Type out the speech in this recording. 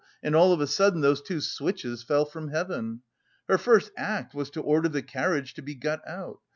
And all of a sudden those two switches fell from heaven! Her first act was to order the carriage to be got out....